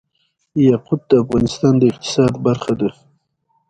یاقوت د افغانستان د اقتصاد برخه ده.